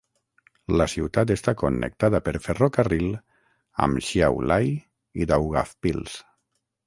La ciutat està connectada per ferrocarril amb Šiauliai i Daugavpils.